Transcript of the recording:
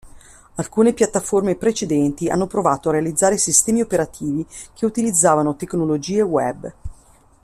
Alcune piattaforme precedenti hanno provato a realizzare sistemi operativi che utilizzavano tecnologie web.